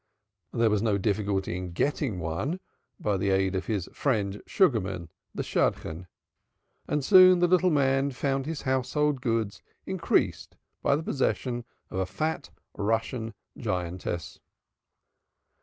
There was no difficulty in getting one by the aid of his friend, Sugarman the __ soon the little man found his household goods increased by the possession of a fat, Russian giantess.